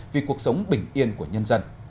vì cuộc sống bình yên của nhân dân